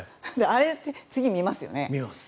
あれって次、見ますよね。